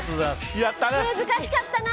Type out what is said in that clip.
難しかったな。